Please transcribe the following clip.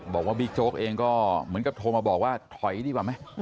บิ๊กโจ๊กเองก็เหมือนกับโทรมาบอกว่าถอยดีกว่าไหม